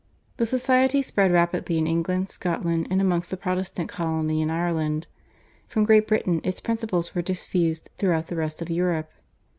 The society spread rapidly in England, Scotland, and amongst the Protestant colony in Ireland. From Great Britain its principles were diffused throughout the rest of Europe.